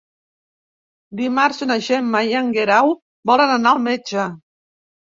Dimarts na Gemma i en Guerau volen anar al metge.